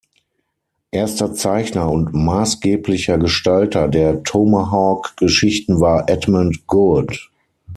Erster Zeichner und maßgeblicher Gestalter der Tomahawk-Geschichten war Edmund Good.